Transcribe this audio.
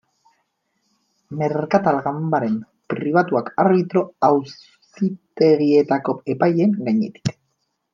Merkatal ganbaren pribatuak arbitro auzitegietako epaileen gainetik.